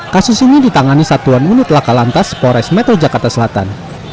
kasus ini ditangani satuan unit laka lantas pores metro jakarta selatan